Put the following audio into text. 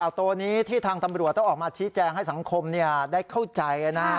ตัวนี้ที่ทางตำรวจต้องออกมาชี้แจงให้สังคมได้เข้าใจนะ